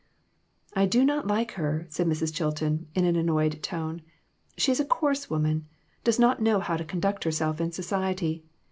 "I do not like her," said Mrs. Chilton, in an annoyed tone; "she is a coarse woman does not know how to conduct herself in society.